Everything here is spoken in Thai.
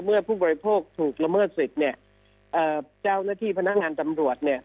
ผู้บริโภคถูกละเมิดสิทธิ์เนี่ยเจ้าหน้าที่พนักงานตำรวจเนี่ย